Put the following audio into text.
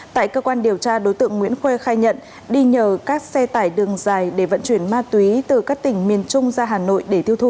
tại cơ quan điều tra đối tượng nguyễn khuê khai nhận đi nhờ các xe tải đường dài để vận chuyển ma túy từ các tỉnh miền trung ra hà nội để tiêu thụ